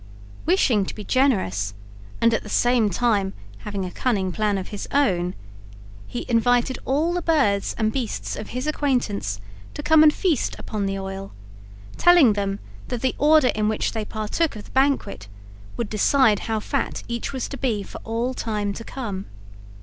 Wishing to be generous, and at the same time having a cunning plan of his own, he invited all the birds and beasts of his acquaintance to come and feast upon the oil, telling them that the order in which they partook of the banquet would decide how fat each was to be for all time to come.